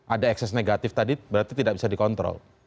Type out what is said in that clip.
ada ekses negatif tadi berarti tidak bisa dikontrol